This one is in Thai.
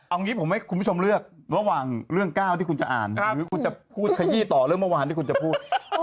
เอางี้ผมให้คุณผู้ชมเลือกระหว่างเรื่องก้าวที่คุณจะอ่านหรือคุณจะพูดขยี้ต่อเรื่องเมื่อวานที่คุณจะพูด